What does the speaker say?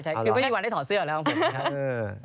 ใช่คือไม่ได้วันได้ถอดเสื้อออกแล้วครับผม